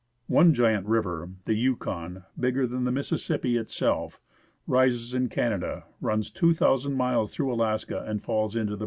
One giant river, the Yukon, bigger than the Mississippi itself, rises in Canada, runs 2,000 miles through Alaska, and falls into the Behring Sea.